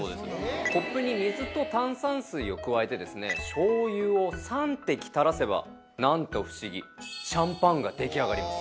コップに水と炭酸水を加えてですねしょうゆを３滴垂らせばなんと不思議シャンパンが出来上がります